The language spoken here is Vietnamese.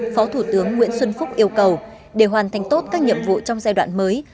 phó thủ tướng nguyễn xuân phúc yêu cầu để hoàn thành tốt các nhiệm vụ trong giai đoạn mới